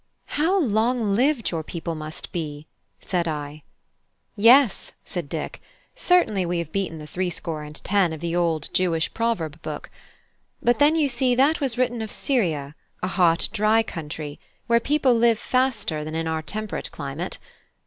"How long lived your people must be!" said I. "Yes," said Dick, "certainly we have beaten the threescore and ten of the old Jewish proverb book. But then you see that was written of Syria, a hot dry country, where people live faster than in our temperate climate.